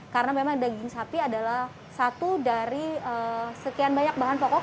karena memang daging sapi adalah satu dari sekian banyak bahan pokok